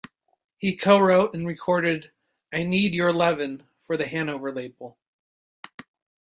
He co-wrote and recorded "I Need Your Lovin'" for the Hanover label.